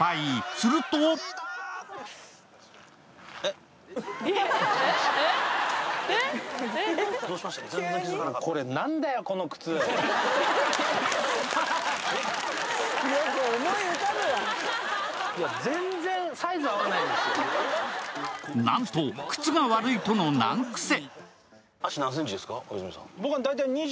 するとなんと靴が悪いとの難癖。